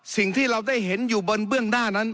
สิ่งที่เราได้เห็นอยู่บนเบื้องหน้านั้น